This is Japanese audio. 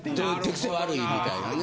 手癖悪いみたいなね。